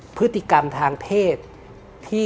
ความไม่เข้าใจความกลัวมันนำมาสู่การเลือกปฏิบัติ